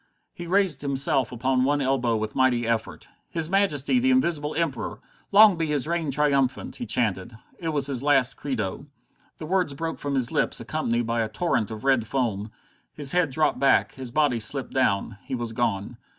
He raised himself upon one elbow with a mighty effort. "His Majesty the Invisible Emperor! Long be his reign triumphant!" he chanted. It was his last credo. The words broke from his lips accompanied by a torrent of red foam. His head dropped back, his body slipped down; he was gone.